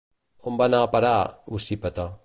On va anar a parar Ocípete?